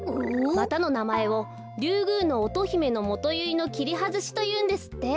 またのなまえを「リュウグウノオトヒメノモトユイノキリハズシ」というんですって。